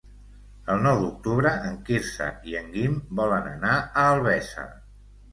El nou d'octubre en Quirze i en Guim volen anar a Albesa.